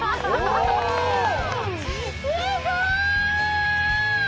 すごい！